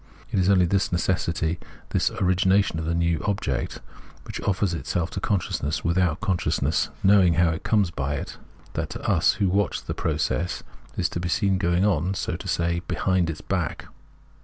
It is only this necessity, this origination of the new object — which offers itself to consciousness without consciousness knowing how it comes by it— that to us, who watch the process, is to be seen going on, so to say, behind its back.